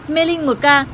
mê linh một ca